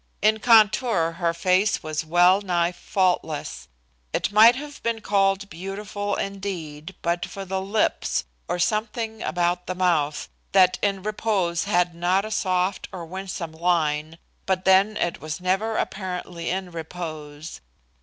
In contour her face was well nigh faultless. It might have been called beautiful indeed but for the lips, or something about the mouth, that in repose had not a soft or winsome line, but then it was never apparently in repose.